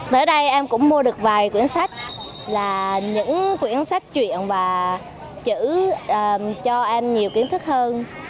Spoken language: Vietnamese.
tới đây em cũng mua được vài cuốn sách là những cuốn sách truyện và chữ cho em nhiều kiến thức hơn